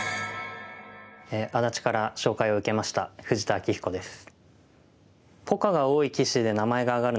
安達から紹介を受けました富士田明彦です。